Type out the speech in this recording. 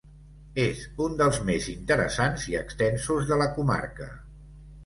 És un dels més interessants i extensos de la comarca.